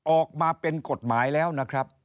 ออกมาเป็นกฎหมายแล้วนะครับ